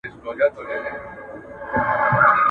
ټول عالم ليدل چي لوڅ سلطان روان دئ.